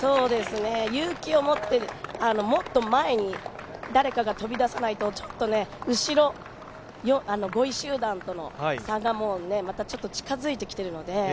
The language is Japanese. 勇気を持って、もっと前に誰かが飛び出さないと後ろ、５位集団との差がちょっと近づいてきているので。